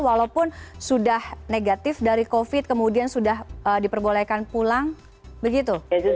walaupun sudah negatif dari covid kemudian sudah diperbolehkan pulang begitu